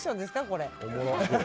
これ。